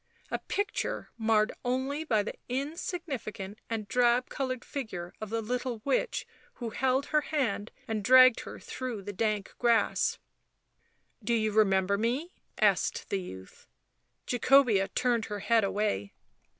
A picture marred only by the insignificant and drab coloured figure of the little witch who held her hand and dragged her through the dank grass. "Do you remember me?" asked the youth. Jacobea turned her head away.